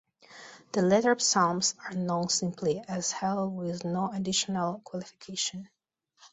The latter psalms are known simply as Hallel with no additional qualification.